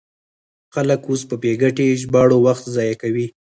خلک اوس په بې ګټې ژباړو وخت ضایع کوي.